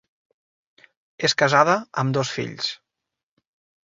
És casada amb dos fills.